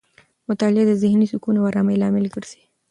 مطالعه د ذهني سکون او آرامۍ لامل ګرځي.